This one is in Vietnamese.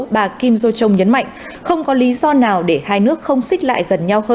bà kim do chong nhấn mạnh không có lý do nào để hai nước không xích lại gần nhau hơn